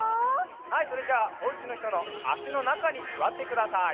はいそれじゃあおうちのひとのあしのなかにすわってください。